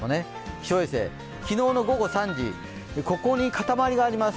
気象衛星、昨日の午後３時ここに塊があります。